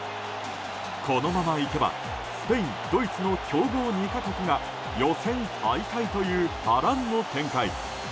このままいけばスペイン、ドイツの強豪２か国が予選敗退という波乱の展開。